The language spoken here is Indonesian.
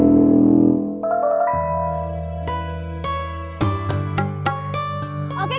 ya allah sabarnya pade ya